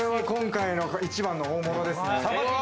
今回の一番の大物ですね。